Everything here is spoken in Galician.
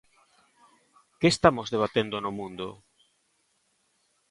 ¿Que estamos debatendo no mundo?